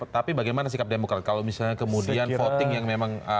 tapi bagaimana sikap demokrat kalau misalnya kemudian voting yang memang